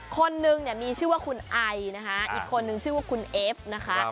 คนนึงเนี่ยมีชื่อว่าคุณไอนะคะอีกคนนึงชื่อว่าคุณเอฟนะคะ